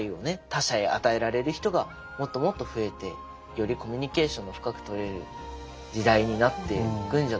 他者へ与えられる人がもっともっと増えてよりコミュニケーションの深くとれる時代になっていくんじゃないかなと思いました。